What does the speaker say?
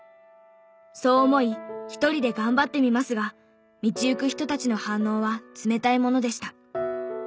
そう思い１人で頑張ってみますが道行く人たちの反応は冷たいものでした。